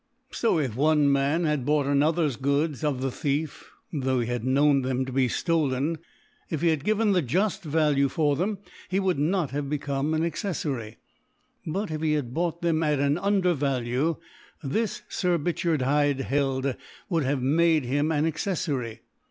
So if one Man had bought another's Goods of the Thief, though he had known them to be ftolen, if he had given the juft Value for them, he would not have become an Accef f\ry f • But if he had bought them at an Undervalue, this, Sir Richard Hyde held, would have made hrm an Acceflary.